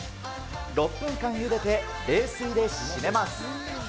６分間ゆでて冷水で締めます。